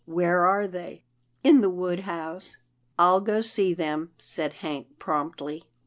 "Where are they?" " In the wood house." " I'll go see them," said Hank promptly.